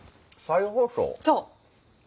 そう。